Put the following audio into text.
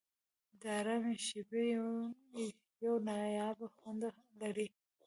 د آرامۍ شېبې یو نایابه خوند لري.